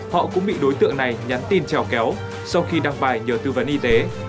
họ cũng bị đối tượng này nhắn tin trèo kéo sau khi đăng bài nhờ tư vấn y tế